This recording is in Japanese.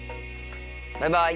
バイバイ。